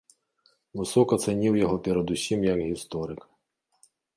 Высока цаніў яго перад усім як гісторыка.